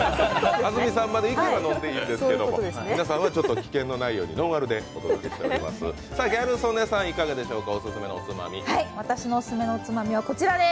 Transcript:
安住さんは飲んでいいんですが皆さんはちょっと危険のないようにノンアルでご用意しています。